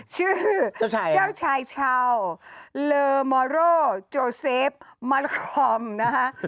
ชื่อเจ้าชายชาวเลอมอโรโจเซฟมาลคอมนะคะ